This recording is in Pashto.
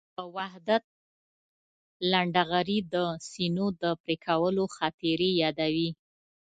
د وحدت لنډهغري د سینو د پرېکولو خاطرې یادوي.